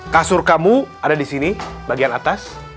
kasur kamu ada di sini bagian atas